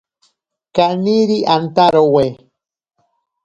Kaniri antarowe.